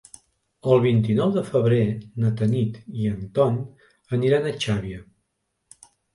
El vint-i-nou de febrer na Tanit i en Ton aniran a Xàbia.